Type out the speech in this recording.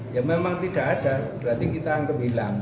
ya memang tidak ada berarti kita anggap hilang